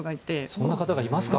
そんな方がいますか？